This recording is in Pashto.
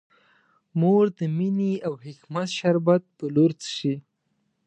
مور د مینې او حکمت شربت په لور څښي.